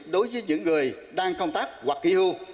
đối với những người đang công tác hoặc kỹ hưu